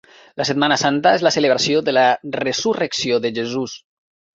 La Setmana Santa és la celebració de la resurrecció de Jesús.